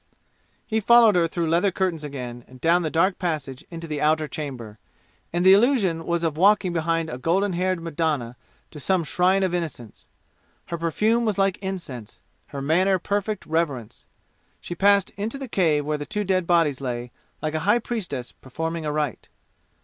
He followed her through leather curtains again and down the dark passage into the outer chamber; and the illusion was of walking behind a golden haired Madonna to some shrine of Innocence. Her perfume was like incense; her manner perfect reverence. She passed into the cave where the two dead bodies lay like a high priestess performing a rite.